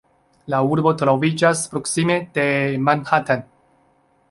La urbo troviĝas proksime de Manhattan.